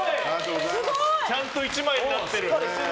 ちゃんと１枚になってる。